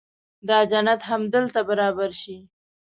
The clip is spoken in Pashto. دا جنت همدلته برابر شي.